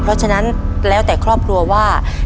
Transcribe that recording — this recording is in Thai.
เพราะฉะนั้นแล้วแต่ครอบครัวว่า